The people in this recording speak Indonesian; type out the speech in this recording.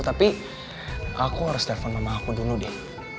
tapi aku harus telepon sama aku dulu deh